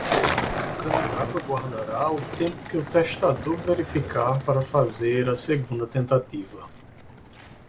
O candidato aguardará o tempo que o testador verificar para fazer a segunda tentativa.